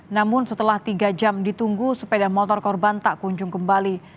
namun setelah tiga jam ditunggu sepeda motor korban tak kunjung kembali